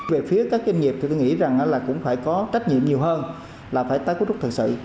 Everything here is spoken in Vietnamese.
về phía các doanh nghiệp thì tôi nghĩ rằng là cũng phải có trách nhiệm nhiều hơn là phải tái cấu trúc thời sự